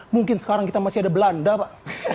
mungkin sekarang kita masih ada belanda pak